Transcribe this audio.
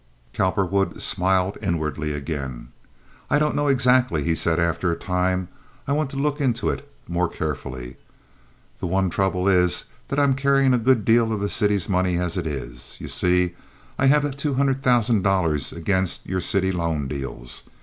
Cowperwood smiled inwardly again. "I don't know exactly," he said, after a time. "I want to look into it more carefully. The one trouble is that I'm carrying a good deal of the city's money as it is. You see, I have that two hundred thousand dollars against your city loan deals.